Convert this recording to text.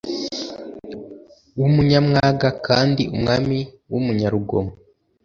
w umunyamwaga kandi umwami w umunyarugomo